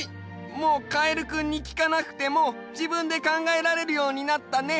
もうカエルくんにきかなくてもじぶんで考えられるようになったね。